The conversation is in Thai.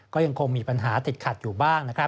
ก็ยังคงมีปัญหาติดขัดอยู่บ้าง